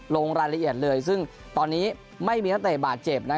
ลงรายละเอียดเลยซึ่งตอนนี้ไม่มีนักเตะบาดเจ็บ